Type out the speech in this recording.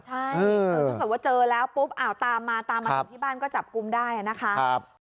ใช่ก็ก็คือเจอแล้วปุ๊บตามมาตามมาจะไปบ้านก็จับกุมได้นะฮะ